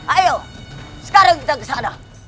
ayo sekarang kita kesana